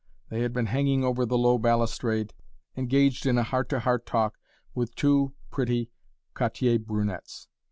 They had been hanging over the low balustrade, engaged in a heart to heart talk with two pretty Quartier brunettes.